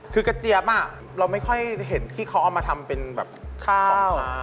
คือกระเจี๊ยบเราไม่ค่อยเห็นที่เขาเอามาทำเป็นแบบข้าว